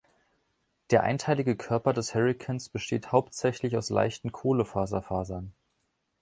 Der einteilige Körper des Hurrikans besteht hauptsächlich aus leichten Kohlefaserfasern.